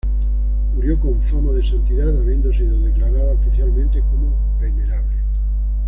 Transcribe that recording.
Murió con fama de santidad, habiendo sido declarada oficialmente como "Venerable".